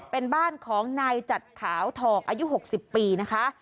เป็นบ้านของนายจัดขาวทองอายุ๖๐ปีนะคะ